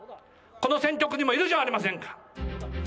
この選挙区にもいるじゃありませんか。